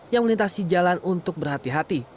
yang melintasi jalan untuk berhati hati